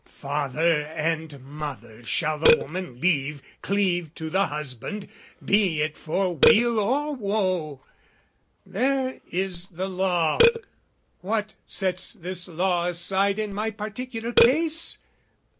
Father and mother shall the woman leave, Cleave to the husband, be it for weal or woe: There is the law: what sets this law aside In my particular case?